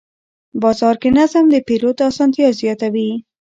بازار کې نظم د پیرود اسانتیا زیاتوي